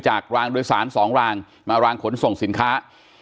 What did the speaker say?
รางโดยสาร๒รางมารางขนส่งสินค้า